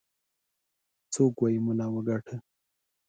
څوك وايي ملا وګاټه.